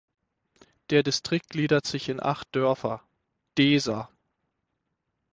Der Distrikt gliedert sich in acht Dörfer ("Desa").